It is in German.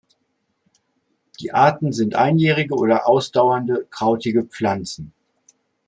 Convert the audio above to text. Die Arten sind einjährige oder ausdauernde krautige Pflanzen.